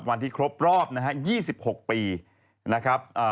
วันที่ครบรอบนะฮะ๒๖ปีนะครับ